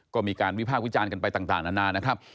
ก็มีการวิพากษ์วิจารณ์กันไปต่างนานานะครับ